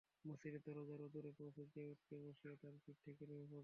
মসজিদের দরজার অদূরে পৌঁছে সে উটকে বসিয়ে তার পিঠ থেকে নেমে পড়ল।